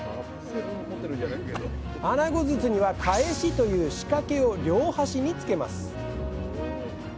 あなご筒にはかえしという仕掛けを両端につけます。